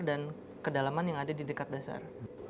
dan kedalaman yang ada di dekat dasar